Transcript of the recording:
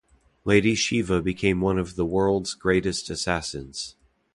Lady Shiva became one of the world's greatest assassins.